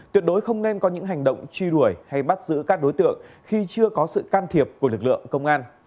tuyệt đối không nên có những hành động truy đuổi hay bắt giữ các đối tượng khi chưa có sự can thiệp của lực lượng công an